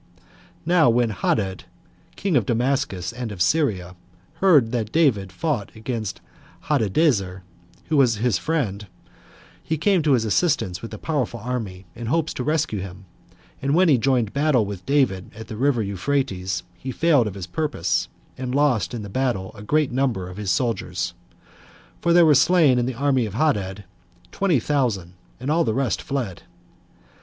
11 2. Now when Hadad, king of Damascus and of Syria, heard that David fought against Hadadezer, who was his friend, he came to his assistance with a powerful army, in hopes to rescue him; and when he had joined battle with David at the river Euphrates, he failed of his purpose, and lost in the battle a great number of his soldiers; for there were slain of the army of Hadad twenty thousand, and all the rest fled.